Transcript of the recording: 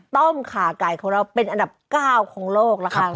ต้มข่าวไก่ของเราเป็นอันดับ๙ของโลกนะคะ